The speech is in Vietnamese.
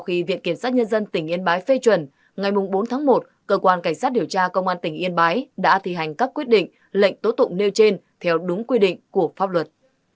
khi viện kiểm sát nhân dân tỉnh yên bái phê chuẩn ngày bốn tháng một cơ quan cảnh sát điều tra công an tỉnh yên bái đã thi hành các quyết định lệnh tố tụng nêu trên theo đúng quy định của pháp luật